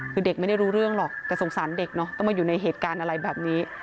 คือเด็กไม่ได้รู้เรื่องหรอกแต่สงสารเด็กเนอะต้องมาอยู่ในเหตุการณ์อะไรแบบนี้